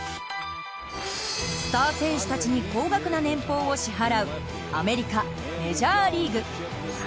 スター選手たちに高額な年俸を支払うアメリカメジャーリーグ。